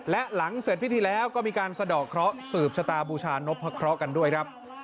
และหลังเสร็จพิธีแล้วก็มีการสะดอกเคราะห์สืบชะตาบูชานพะเคราะห์กันด้วยครับ